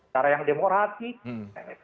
cara yang demokratik